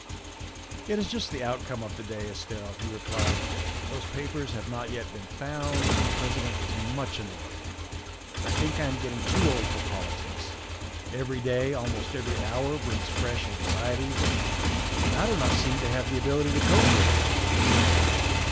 "It is just the outcome of the day, Estelle," he replied; " those papers have not yet been found, and the President is much annoyed. I think I am getting too old for politics; every day, almost every hour, brings fresh anxieties, and I do not seem to have the ability to cope with them."